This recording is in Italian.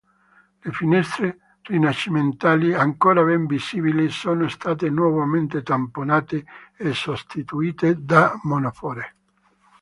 Le finestre rinascimentali, ancora ben visibili, sono state nuovamente tamponate e sostituite da monofore.